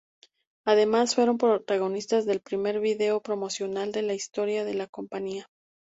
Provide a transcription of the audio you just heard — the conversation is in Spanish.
Además, fueron los protagonistas del primer video promocional de la historia de la compañía.